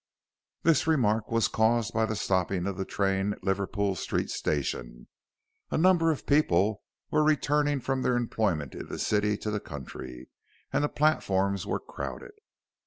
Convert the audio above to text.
This remark was caused by the stopping of the train at Liverpool Street Station. A number of people were returning from their employment in the city to the country, and the platforms were crowded.